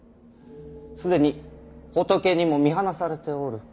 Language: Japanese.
既に仏にも見放されておる。